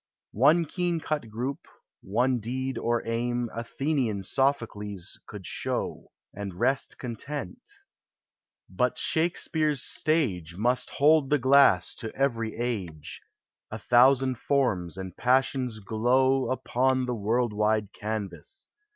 One keen cut group, one deed or aim Athenian Sophocles could show, And rest content; but Shakespeare's Btage Must hold the glass to every age, A thousand forms and passions glow Upon the world wide canvas.